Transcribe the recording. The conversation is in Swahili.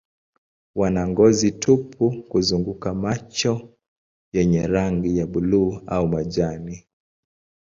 Wana ngozi tupu kuzunguka macho yenye rangi ya buluu au majani.